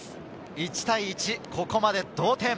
１対１、ここまで同点。